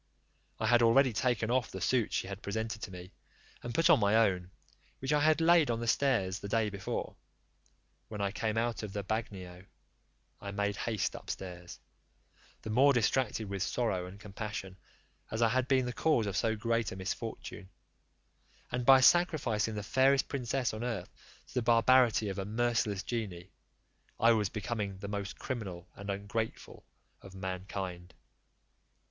I had already taken off the suit she had presented to me, and put on my own, which I had laid on the stairs the day before, when I came out of the bagnio: I made haste upstairs, the more distracted with sorrow and compassion, as I had been the cause of so great a misfortune; and by sacrificing the fairest princess on earth to the barbarity of a merciless genie, I was becoming the most criminal and ungrateful of mankind.